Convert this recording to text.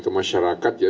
ke masyarakat ya